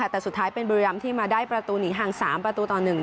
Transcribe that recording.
แต่สุดท้ายเป็นบริรามที่มาได้ประตูหนีห่าง๓